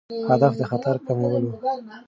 هدف د خطر کمول وو.